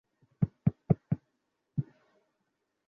ঐ দিকে যাও!